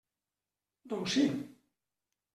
Doncs sí.